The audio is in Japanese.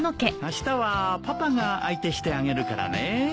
あしたはパパが相手してあげるからね。